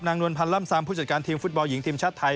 นวลพันธ์ล่ำซามผู้จัดการทีมฟุตบอลหญิงทีมชาติไทย